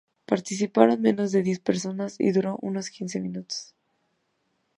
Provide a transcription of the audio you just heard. Participaron menos de diez personas y duró unos quince minutos.